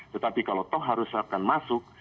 tetapi kalau toh harus akan masuk